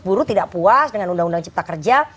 buru tidak puas dengan undang undang cipta kerja